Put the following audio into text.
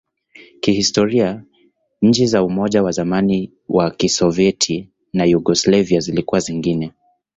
Kihistoria, nchi za Umoja wa zamani wa Kisovyeti na Yugoslavia zilikuwa zingine.